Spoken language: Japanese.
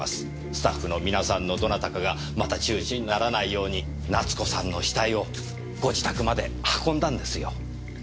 スタッフの皆さんのどなたかがまた中止にならないように奈津子さんの死体をご自宅まで運んだんですよ。